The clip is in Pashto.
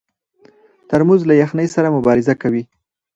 ترموز له یخنۍ سره مبارزه کوي.